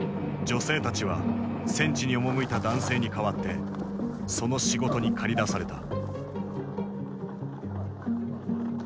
女性たちは戦地に赴いた男性に代わってその仕事に駆り出された。